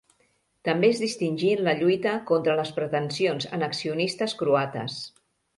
També es distingí en la lluita contra les pretensions annexionistes croates.